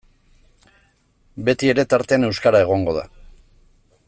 Betiere tartean euskara egongo da.